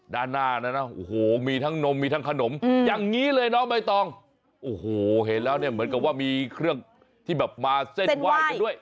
ด้านหน้านะโอ้โหมีทั้งนมมีทั้งขนมอย่างนี้เลยน้องใบตองโอ้โหเห็นแล้วเนี่ยเหมือนกับว่ามีเครื่องที่แบบมาเส้นไหว้กันด้วย